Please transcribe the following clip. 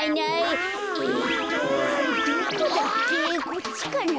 こっちかな？